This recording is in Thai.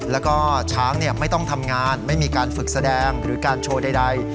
แล้วก็ช้างไม่ต้องทำงานไม่มีการฝึกแสดงหรือการโชว์ใด